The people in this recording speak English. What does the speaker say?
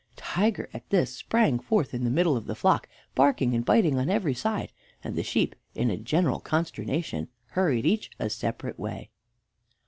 Tiger at this sprang forth into the middle of the flock, barking and biting on every side, and the sheep, in a general consternation, hurried each a separate way.